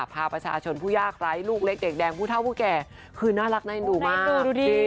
พาประชาชนผู้ยากไร้ลูกเล็กเด็กแดงผู้เท่าผู้แก่คือน่ารักน่าเอ็นดูมาก